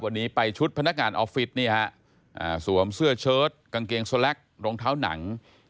วันนี้ไปชุดพนักงานออฟฟิศนี่ฮะสวมเสื้อเชิดกางเกงสแล็กรองเท้าหนัง